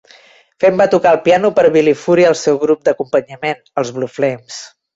Fame va tocar el piano per Billy Fury al seu grup d'acompanyament, els Blue Flames.